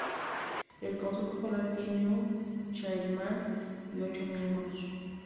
El consejo escolar tiene un "chairman" y ocho miembros.